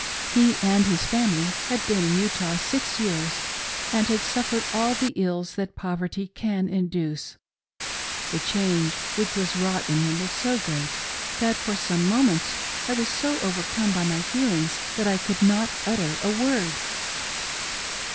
He and his family had been in Utah six years, and had suffered all the ills that poverty can induce :— the change which was wrought in him was so greats that for some moments I was so overcome by my feelings that I could not utter a word.